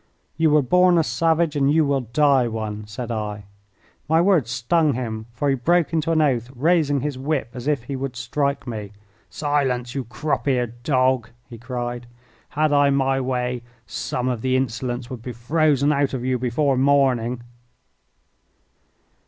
"You were born a savage and you will die one," said I. My words stung him, for he broke into an oath, raising his whip as if he would strike me. "Silence, you crop eared dog!" he cried. "Had I my way some of the insolence would be frozen out of you before morning."